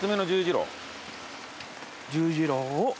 十字路を。